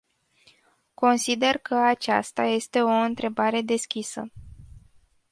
Consider că aceasta este o întrebare deschisă.